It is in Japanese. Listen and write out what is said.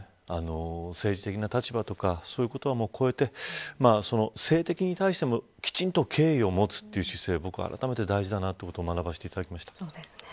政治的な立場とかそういうことをこえて政敵に対してもきちんと敬意を持つ姿勢はあらためて大事だなということも学ばせてもらいました。